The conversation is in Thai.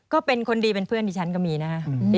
ก็เป็นคนดีเป็นเพื่อนที่ฉันก็มีนะฮะ